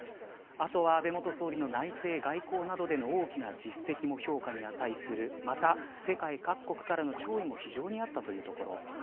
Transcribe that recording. あとは、安倍元総理の内政・外交などでの大きな実績も評価に値するまた、世界各国からの弔意も非常にあったというところ。